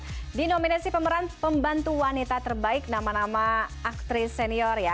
ini seperti masih mendominasi pemeran pembantu wanita terbaik tahun ini